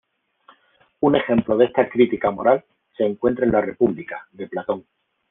Un ejemplo de esta crítica moral se encuentra en "La República" de Platón.